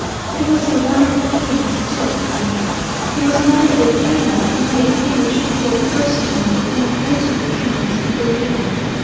It was a wonderful thing; still, you know, it was not a good camel, only a thing which people personally unacquainted with camels could believe in.